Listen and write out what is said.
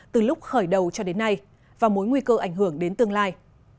từ lúc khởi đầu cho đến nay và mối nguy cơ ảnh hưởng đến tương lai